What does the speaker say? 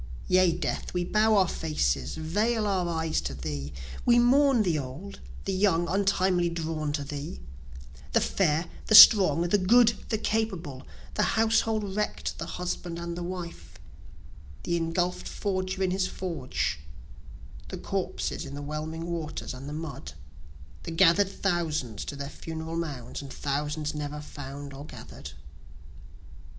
Yea, Death, we bow our faces, veil our eyes to thee, We mourn the old, the young untimely drawn to thee, The fair, the strong, the good, the capable, The household wreck'd, the husband and the wife, the engulfed forger in his forge, The corpses in the whelming waters and the mud, The gather'd thousands to their funeral mounds, and thousands never found or gather'd.